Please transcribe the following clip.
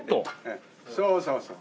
そうそうそう。